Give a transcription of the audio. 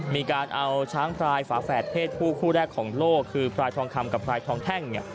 มีการเอาช้างพลายฝาแฝดเพศผู้คู่แรกของโลกคือพลายทองคำกับพลายทองแท่งเนี่ย